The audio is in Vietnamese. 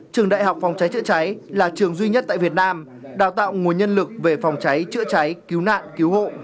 trường đại học phòng cháy chữa cháy là trường duy nhất tại việt nam đào tạo nguồn nhân lực về phòng cháy chữa cháy cứu nạn cứu hộ